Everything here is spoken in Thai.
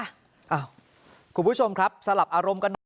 เอ้าคุณผู้ชมครับสลับอารมณ์กัน